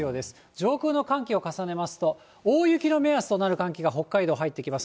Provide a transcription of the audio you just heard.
上空の寒気を重ねますと、大雪の目安となる寒気が北海道、入ってきます。